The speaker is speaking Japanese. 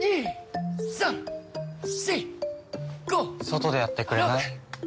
外でやってくれない？